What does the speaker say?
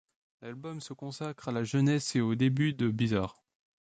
L'album se consacre à la jeunesse et aux débuts de Bizarre.